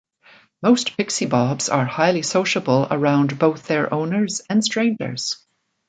Most Pixie-bobs are highly sociable around both their owners and strangers.